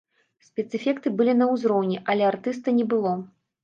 Спецэфекты былі на ўзроўні, але артыста не было.